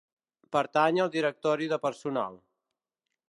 Pertany al Directori de Personal.